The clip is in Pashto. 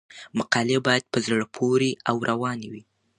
مقالې باید په زړه پورې او روانې وي.